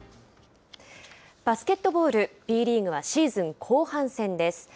バスケットボール、Ｂリーグはシーズン後半戦です。